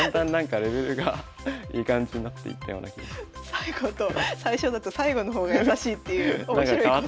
最後と最初だと最後の方が易しいっていう面白い講座。